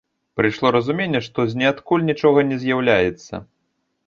Прыйшло разуменне, што з ніадкуль нічога не з'яўляецца.